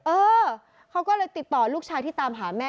เออเขาก็เลยติดต่อลูกชายที่ตามหาแม่